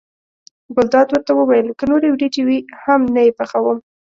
ګلداد ورته وویل که نورې وریجې وي هم نه یې پخوم.